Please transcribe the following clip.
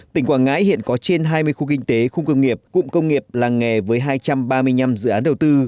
tỉnh quảng ngãi hiện có trên hai mươi khu kinh tế khu công nghiệp cụm công nghiệp làng nghề với hai trăm ba mươi năm dự án đầu tư